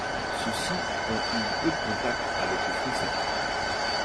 Ceux-ci ont eu peu de contact avec les Français.